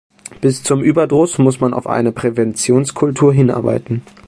Bis zum Überdruss muss man auf eine Präventionskultur hinarbeiten.